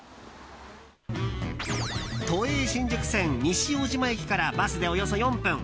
都営新宿線西大島駅からバスでおよそ４分